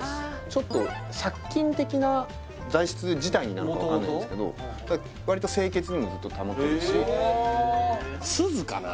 ちょっと殺菌的な材質自体になのか分かんないんですけどわりと清潔にもずっと保てるし錫かな？